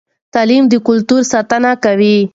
تعلیم د کلتور ساتنه کوي.